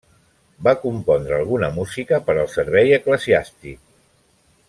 Va compondre alguna música per al servei eclesiàstic.